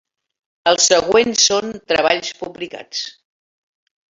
Els següents són treballs publicats.